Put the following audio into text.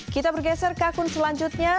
kita bergeser ke akun selanjutnya